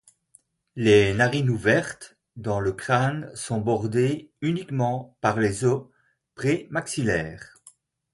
Les narines ouvertes dans le crâne sont bordées uniquement par les os prémaxillaires.